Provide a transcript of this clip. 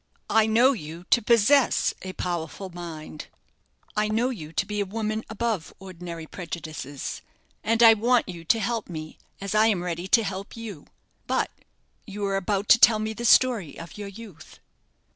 I know you to possess a powerful mind; I know you to be a woman above ordinary prejudices; and I want you to help me, as I am ready to help you. But you were about to tell me the story of your youth.